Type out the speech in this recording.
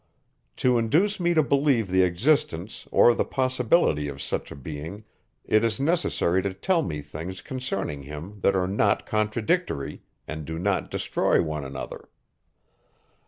To induce me to believe the existence or the possibility of such a being, it is necessary to tell me things concerning him that are not contradictory, and do not destroy one another.